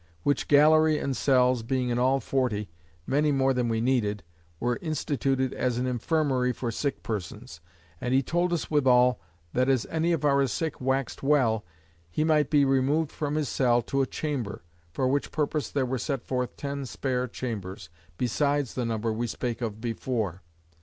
Which gallery and cells, being in all forty, many more than we needed, were instituted as an infirmary for sick persons. And he told us withal, that as any of our sick waxed well, he might be removed from his cell, to a chamber; for which purpose there were set forth ten spare chambers, besides the number we spake of before.